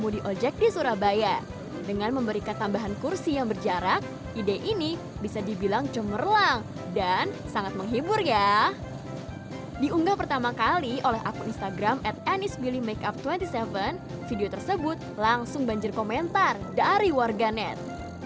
diunggah pertama kali oleh akun instagram at anisbilimakeup dua puluh tujuh video tersebut langsung banjir komentar dari warganet